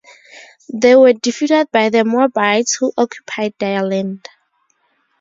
They were defeated by the Moabites, who occupied their land.